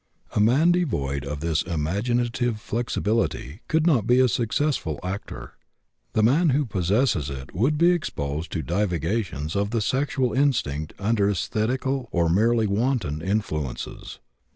A man devoid of this imaginative flexibility could not be a successful actor. The man who possesses it would be exposed to divagations of the sexual instinct under esthetical or merely wanton influences.